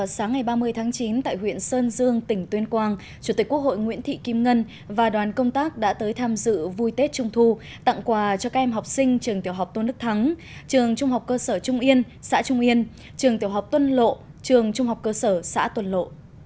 sáng ngày ba mươi tháng chín tại huyện sơn dương tỉnh tuyên quang chủ tịch quốc hội nguyễn thị kim ngân và đoàn công tác đã tới tham dự vui tết trung thu tặng quà cho các em học sinh trường tiểu học tôn đức thắng trường trung học cơ sở trung yên xã trung yên trường tiểu học tuân lộ trường trung học cơ sở xã tuần lộ